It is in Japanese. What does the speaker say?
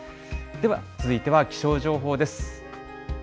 では、続いては気象情報です。